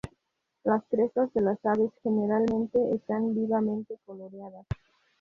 Las crestas de las aves generalmente están vivamente coloreadas.